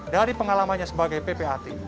dari pengalamannya sebagai ppat